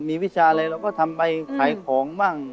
มีวิชาอะไรเราก็ทำไปขายของบ้าง